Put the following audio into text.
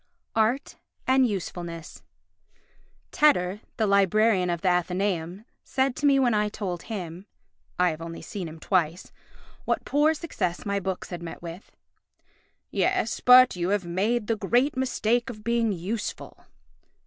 Art and Usefulness Tedder, the Librarian of the Athenæum, said to me when I told him (I have only seen him twice) what poor success my books had met with: "Yes, but you have made the great mistake of being useful."